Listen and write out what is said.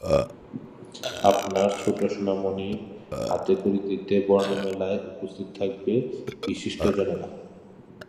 আপনার ছোট্ট সোনামণির হাতেখড়ি দিতে বর্ণমেলায় উপস্থিত থাকবেন বিশিষ্টজনেরা।